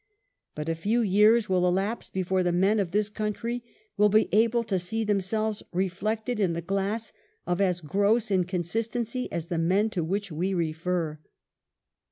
But a few years will elapse before the men of this country will be able to see themselves reflected in the glass of as gross inconsistency as the men to whom we refer.